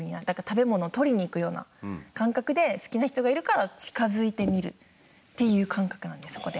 だから食べ物取りに行くような感覚で好きな人がいるから近づいてみるっていう感覚なんです。